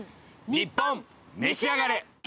『ニッポンめしあがれ』。